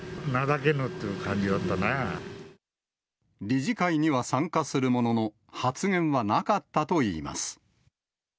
ただ、理事会には参加するものの、発言はなかったといいます。